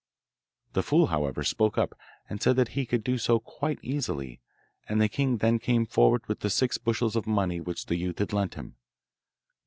The fool, however, spoke up, and said that he could do so quite easily, and the king then came forward with the six bushels of money which the youth had lent him.